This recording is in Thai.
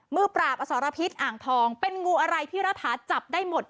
มือปราบอสรพิษอ่างทองเป็นงูอะไรพี่รัฐาจับได้หมด